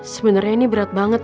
sebenernya ini berat banget